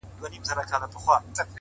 زما په غــېږه كــي نــاســور ويـده دی.